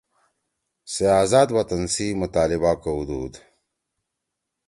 سے آزاد وطن سی مطالبہ کؤدُود